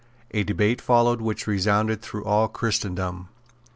A debate followed which resounded through all Christendom.